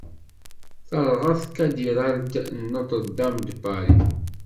Terɣa tkatidralt n Notre-Dame de Paris.